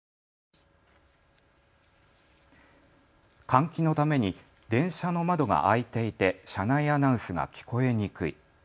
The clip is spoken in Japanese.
換気のために電車の窓が開いていて車内アナウンスが聞こえにくい。